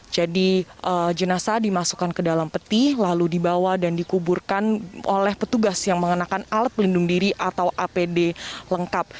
jadi jenazah dimasukkan ke dalam peti lalu dibawa dan dikuburkan oleh petugas yang mengenakan alat pelindung diri atau apd lengkap